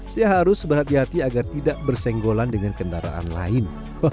saya harus berhati hati agar tidak bersenggolan dengan kendaraan lain